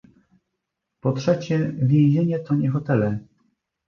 Po trzecie więzienia to nie hotele